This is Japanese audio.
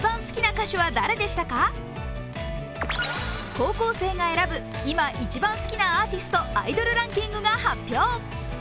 高校生が選ぶ今、一番好きなアーティストアイドルランキングが発表。